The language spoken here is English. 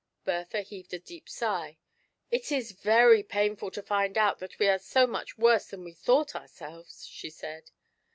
Bertha heaved a deep sigh. " It is very painful to find out that we are so much worse than we thought ourselves^" she said.